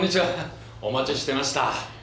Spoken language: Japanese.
お待ちしてました。